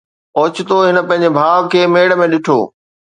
اوچتو هن پنهنجي ڀاءُ کي ميڙ ۾ ڏٺو